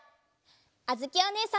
あづきおねえさんも。